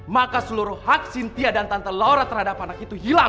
maka seluruh hak sintia dan tante laura terhadap anak itu hilang